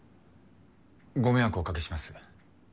ご迷惑をおかけします。